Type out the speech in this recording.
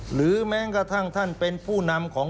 หรือแม้กระทั่งท่านเป็นผู้นำของ